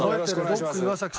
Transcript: ロック岩崎さん。